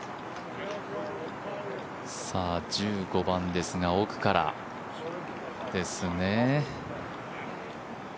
１５番ですが、奥からですね。